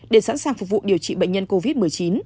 để sẵn sàng phục vụ điều trị bệnh nhân covid một mươi chín